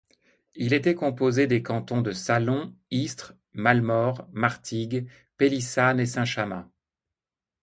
Il était composé des cantons de Salon, Istres, Mallemort, Martigues, Pelissanne et Saint Chamas.